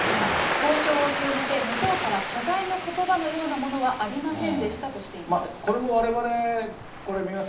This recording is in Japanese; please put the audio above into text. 交渉を通じて向こうから謝罪のことばのようなものはありません